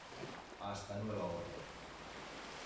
hasta nueva orden.